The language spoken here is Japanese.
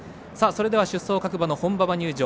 それでは出走各馬の本馬場入場。